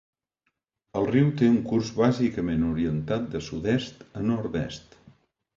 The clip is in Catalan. El riu té un curs bàsicament orientat de sud-est a nord-oest.